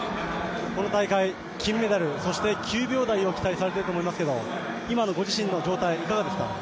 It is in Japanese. この大会、金メダルそして９秒台を期待されていると思いますが今のご自身の状態いかがですか？